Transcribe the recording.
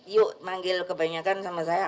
yuk manggil kebanyakan sama saya